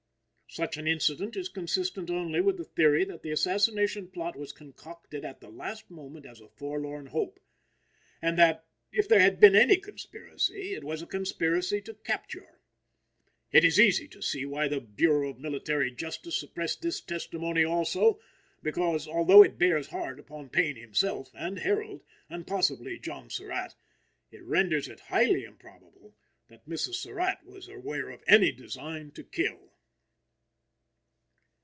Such an incident is consistent only with the theory that the assassination plot was concocted at the last moment as a forlorn hope, and that, if there had been any conspiracy, it was a conspiracy to capture. It is easy to see why the Bureau of Military Justice suppressed this testimony also, because, although it bears hard upon Payne himself, and Herold, and possibly John Surratt, it renders it highly improbable that Mrs. Surratt was aware of any design to kill.